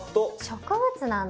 植物なんだ。